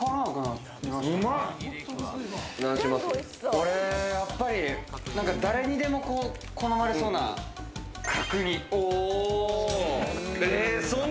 俺、やっぱり誰にでも好まれそうな角煮。